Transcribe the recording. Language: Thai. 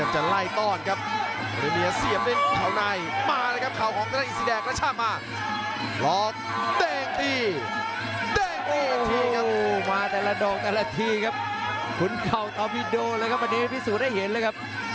จะซ้ำรอยหรือเปล่าครับ